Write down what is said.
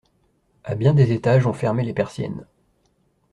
A bien des étages on fermait les persiennes.